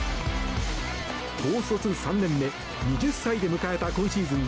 高卒３年目２０歳で迎えた今シーズン